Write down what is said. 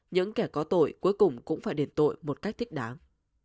những kẻ có tội cuối cùng cũng phải đền tội một cách thích đáng